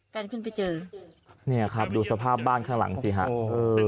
ขึ้นไปเจอเนี่ยครับดูสภาพบ้านข้างหลังสิฮะเออ